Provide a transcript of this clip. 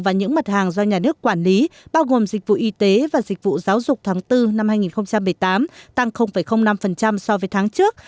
và những mặt hàng do nhà nước quản lý bao gồm dịch vụ y tế và dịch vụ giáo dục tháng bốn năm hai nghìn một mươi tám tăng năm so với tháng trước